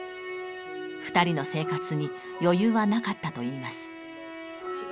２人の生活に余裕はなかったといいます。